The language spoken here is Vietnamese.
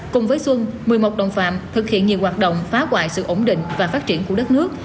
cùng với xuân một mươi một đồng phạm thực hiện nhiều hoạt động phá hoại sự ổn định và phát triển của đất nước